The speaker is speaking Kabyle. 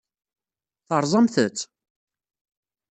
Teṛṛẓamt-tt?